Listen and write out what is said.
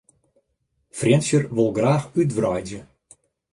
Frjentsjer wol graach útwreidzje.